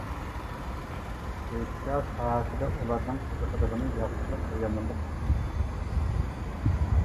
ئېتىكا ساھەسىدە ئۇلارنىڭ قىزىقىدىغىنى ياخشىلىق ۋە يامانلىق ئۇقۇمى.